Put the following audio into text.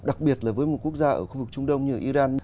đặc biệt là với một quốc gia ở khu vực trung đông như iran